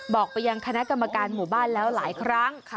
บอกไปยังคณะกรรมการหมู่บ้านแล้วหลายครั้ง